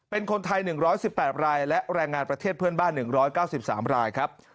เป็นคนไทย๑๑๘รายและแรงงานประเทศเพื่อนบ้าน๑๙๓รายครับ